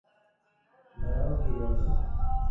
দাড়াঁও, কী বললে?